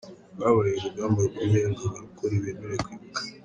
Rwabaye urugamba rukomeye ngo abarokore bemere kwibuka .